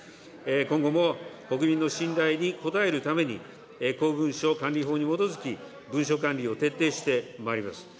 今後も国民の信頼に応えるために、公文書管理法に基づき、文書管理を徹底してまいります。